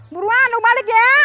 buruan lu balik ya